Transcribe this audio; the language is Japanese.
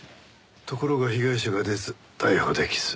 ところが被害者が出ず逮捕できず。